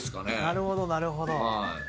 なるほどなるほど。